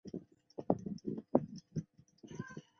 东沙镇为缅甸曼德勒省敏建县的镇区。